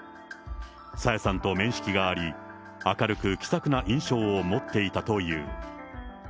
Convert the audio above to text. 朝芽さんと面識があり、明るく気さくな印象を持っていたという。